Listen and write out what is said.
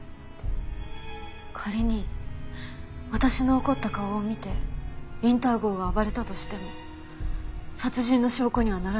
仮に私の怒った顔を見てウィンター号が暴れたとしても殺人の証拠にはならないはず。